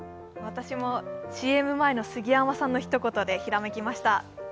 私もＣＭ前の杉山さんのひと言でひらめきました。